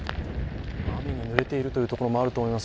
雨にぬれているということもあると思います。